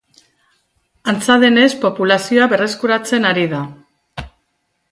Antza denez populazioa berreskuratzen ari da.